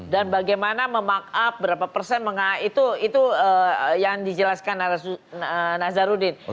dan bagaimana memakup berapa persen itu yang dijelaskan oleh nasarudin